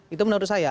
itu menurut saya